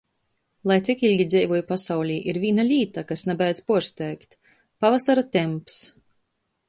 Lai cik ilgi dzeivoj pasaulī, ir vīna līta, kas nabeidz puorsteigt. Pavasara temps.